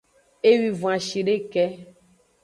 Ewwivon ashideke.